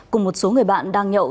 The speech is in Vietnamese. cùng một số người bạn đang nhậu